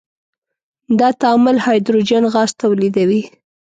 دا تعامل هایدروجن غاز تولیدوي.